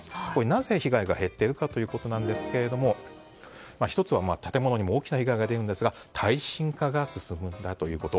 なぜ被害が減っているかということですが１つは建物にも大きな被害が出ますが耐震化が進んだということ。